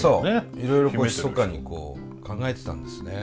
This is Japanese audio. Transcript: いろいろひそかに考えてたんですね。